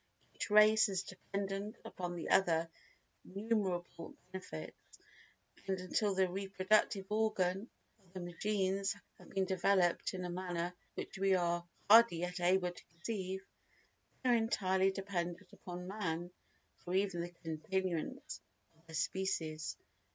Each race is dependent upon the other for innumerable benefits, and, until the reproductive organs of the machines have been developed in a manner which we are hardly yet able to conceive, they are entirely dependent upon man for even the continuance of their species.